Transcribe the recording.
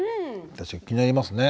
確かに気になりますね。